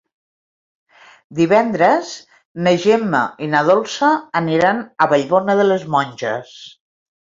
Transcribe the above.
Divendres na Gemma i na Dolça aniran a Vallbona de les Monges.